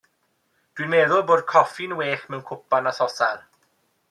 Dw i'n meddwl bod coffi'n well mewn cwpan a sosar.